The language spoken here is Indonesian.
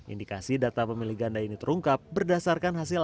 indikasi data pemilih ganda ini terungkap berdasarkan hasil